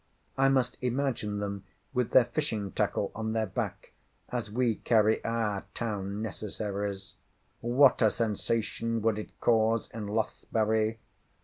I must imagine them with their fishing tackle on their back, as we carry our town necessaries. What a sensation would it cause in Lothbury?